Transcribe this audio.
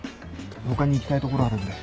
他に行きたい所あるんで。